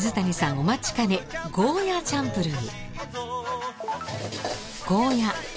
お待ちかねゴーヤーチャンプルー。